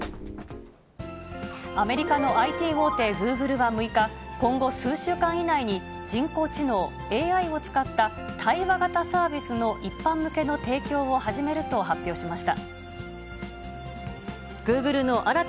アメリカのＩＴ大手、グーグルは６日、今後数週間以内に、人工知能・ＡＩを使った対話型サービスの一般向けの提供を始めると発表しました。